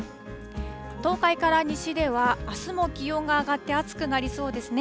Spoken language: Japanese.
東海から西では、あすも気温が上がって暑くなりそうですね。